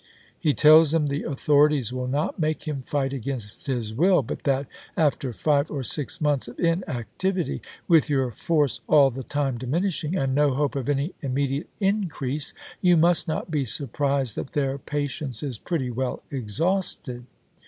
He tells him the authorities will not make him fight against his will, but that " after five or six months of inactivity, with your force all the time diminishing, and no hope of any immediate increase, you must not be surprised that their patience is i)retty well ^xxiil?^" exhausted."